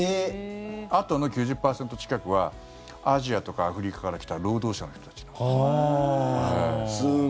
あとの９０％近くはアジアとかアフリカから来た労働者の人たちなんです。